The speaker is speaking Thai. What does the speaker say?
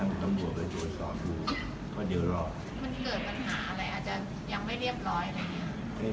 มันเกิดปัญหาอะไรอาจจะยังไม่เรียบร้อยไหม